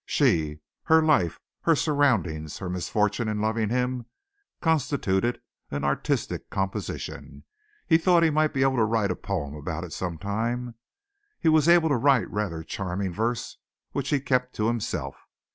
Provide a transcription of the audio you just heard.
She her life, her surroundings, her misfortune in loving him, constituted an artistic composition. He thought he might be able to write a poem about it some time. He was able to write rather charming verse which he kept to himself.